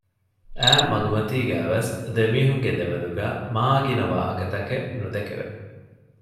އައި މަގުމަތީގައިވެސް ދެމީހުންގެ ދެމެދުގައި މާ ގިނަ ވާހަކަތަކެއް ނުދެކެވެ